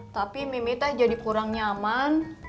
tapi mimi teh jadi kurang nyaman